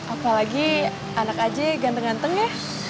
apalagi anak aja ganteng ganteng ya